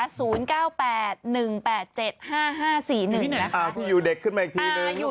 ที่อยู่เด็กขึ้นมาอีกทีนึง